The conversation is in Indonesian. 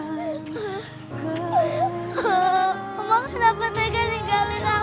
mama kenapa tegas tinggalin aku